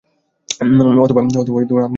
অথবা আপনি হয়তো ইতোমধ্যে আগ্রহী হয়ে উঠেছেন।